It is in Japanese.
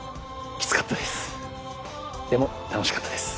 きつかったです。